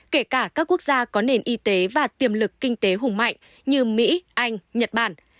kể cả các quốc gia có nền y tế và tiềm lực kinh tế hùng mạnh như mỹ anh nhật bản